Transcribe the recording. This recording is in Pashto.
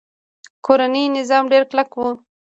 کورنۍ نظام ډیر کلک و